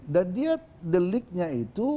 dan dia deliknya itu